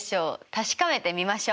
確かめてみましょう！